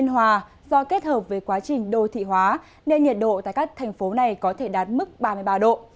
do kết hợp với quá trình đô thị hóa nên nhiệt độ tại các thành phố này có thể đạt mức ba mươi ba độ